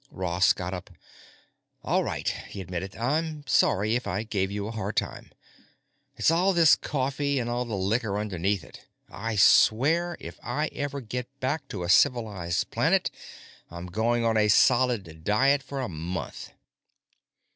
Ross got up. "All right," he admitted. "I'm sorry if I gave you a hard time. It's all this coffee and all the liquor underneath it; I swear, if I ever get back to a civilized planet I'm going on a solid diet for a month."